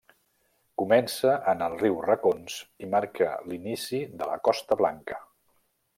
Comença en el riu Racons i marca l'inici de la Costa Blanca.